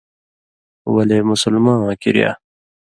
ولے مسلماواں کِریا